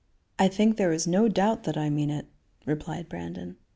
"I think there is no doubt that I mean it," replied Brandon.